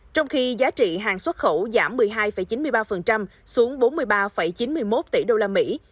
trong khi giá trị hàng xuất khẩu giảm một mươi hai chín mươi ba xuống bốn mươi ba chín mươi một tỷ đô la mỹ